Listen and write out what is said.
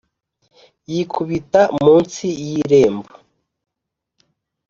yikubita munsi y'irembo!